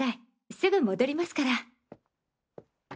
すぐ戻りますから。